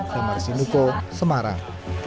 demar sienuko semarang